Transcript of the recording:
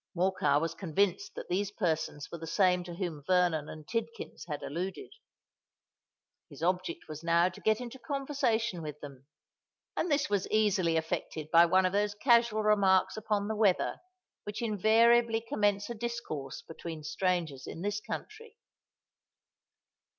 Morcar was convinced that these persons were the same to whom Vernon and Tidkins had alluded. His object was now to get into conversation with them; and this was easily effected by one of those casual remarks upon the weather which invariably commence a discourse between strangers in this country.